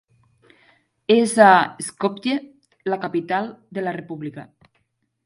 És a Skopje, la capital de la república.